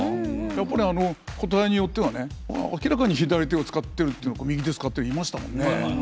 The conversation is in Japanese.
やっぱり個体によってはね明らかに左手を使ってるってのと右手使ってるいましたもんね。